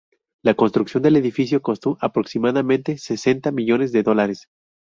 La construcción del edificio costó aproximadamente sesenta millones de dólares.